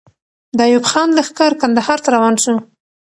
د ایوب خان لښکر کندهار ته روان سو.